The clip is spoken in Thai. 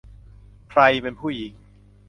ใครเป็นผู้หญิง ?